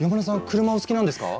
車お好きなんですか？